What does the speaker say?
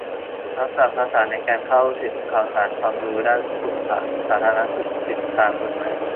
ทักษะภาษาในการเข้าถึงข่าวสาร ความรู้ด้านสาธารณสุข สิทธิตามกฎหมาย